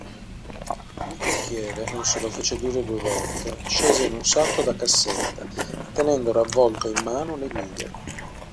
Il cocchiere, non se lo fece dire due volte, scese in un salto da cassetta, tenendo ravvolte in mano le guide.